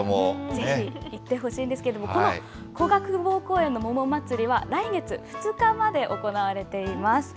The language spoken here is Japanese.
ぜひ行ってほしいんですけれども、この古河公方公園の桃まつりは、来月２日まで行われています。